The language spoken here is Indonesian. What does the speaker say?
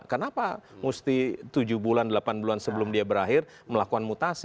kenapa mesti tujuh bulan delapan bulan sebelum dia berakhir melakukan mutasi